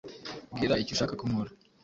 Mbwira icyo ushaka ko nkora.